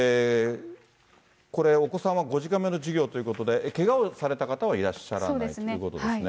これ、お子さんは５時間目の授業ということで、けがをされた方はいらっしゃらないということですね。